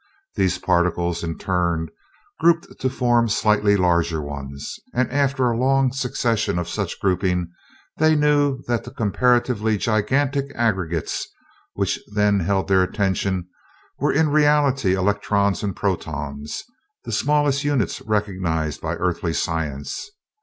These particles in turn grouped to form slightly larger ones, and after a long succession of such grouping they knew that the comparatively gigantic aggregates which then held their attention were in reality electrons and protons, the smallest units recognized by Earthly science.